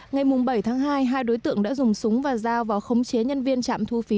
ngày bảy tháng hai hai đối tượng đã dùng súng và dao vào khống chế nhân viên trạm thu phí